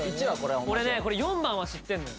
俺ねこれ４番は知ってるのよ